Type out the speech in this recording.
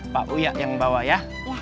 pak uyak yang bawa ya ya